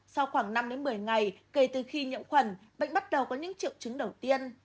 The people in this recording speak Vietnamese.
sau khoảng năm một mươi ngày kể từ khi nhiễm khuẩn bệnh bắt đầu có những triệu chứng đầu tiên